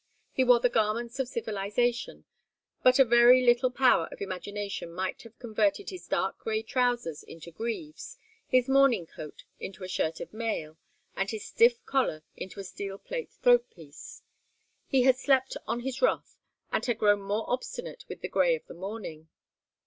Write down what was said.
He wore the garments of civilization, but a very little power of imagination might have converted his dark grey trousers into greaves, his morning coat into a shirt of mail, and his stiff collar into a steel throat piece. He had slept on his wrath, and had grown more obstinate with the grey of the morning.